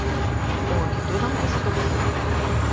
Кога ќе дојдам ќе се договориме.